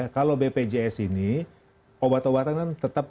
kalau bpjs ini obat obatan tetap di cover oleh pemerintah